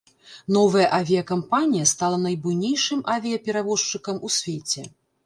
Новая авіякампанія стала найбуйнейшым авіяперавозчыкам у свеце.